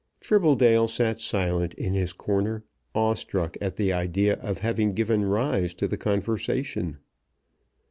Tribbledale sat silent in his corner, awestruck at the idea of having given rise to the conversation.